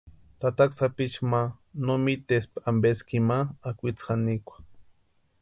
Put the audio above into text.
Tataka Sapichu ma no mitespti ampeski ima akwitsi janikwa.